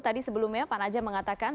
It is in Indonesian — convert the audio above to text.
tadi sebelumnya pan aja mengatakan